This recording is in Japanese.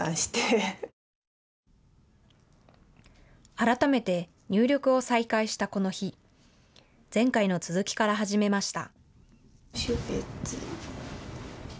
改めて入力を再開したこの日、前回の続きから始めました。